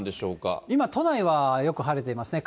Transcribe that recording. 今、都内はよく晴れていますね。